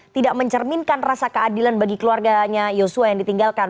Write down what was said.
tidak mencerminkan rasa keadilan bagi keluarganya yosua yang ditinggalkan